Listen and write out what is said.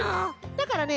だからね